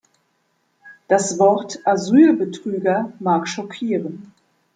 Das Wort Asylbetrüger mag schockieren.